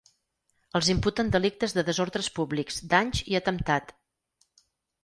Els imputen delictes de desordres públics, danys i atemptat.